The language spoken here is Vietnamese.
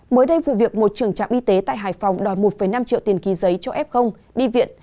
mới đây vụ việc một trưởng trạm y tế tại hải phòng đòi một năm triệu tiền ký giấy cho f đi viện